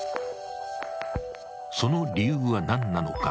その理由は何なのか。